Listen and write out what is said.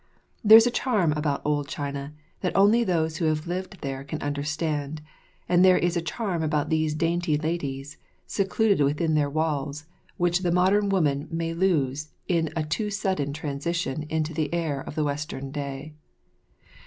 There is a charm about old China that only those who have lived there can understand, and there is a charm about these dainty ladies, secluded within their walls, which the modern woman may lose in a too sudden transition into the air of the Western day.